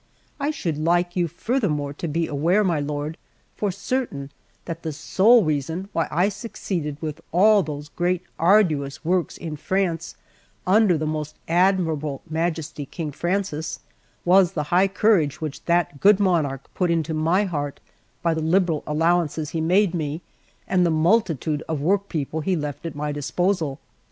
I should like you furthermore to be aware, my lord, for certain, that the sole reason why I succeeded with all those great arduous works in France under his most admirable Majesty King Francis, was the high courage which that good monarch put into my heart by the liberal allowances he made me, and the multitude of workpeople he left at my disposal.